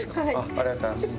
ありがとうございます。